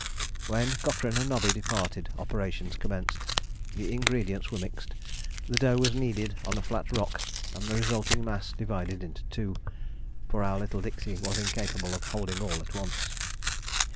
When Cochrane and Nobby departed operations commenced. The ingredients were mixed; the dough was kneaded on a flat rock and the resulting mass divided into two, for our little dixie was incapable of holding all at once.